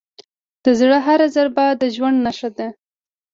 د زړه هره ضربه د ژوند نښه ده.